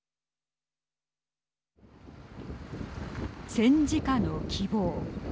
戦時下の希望。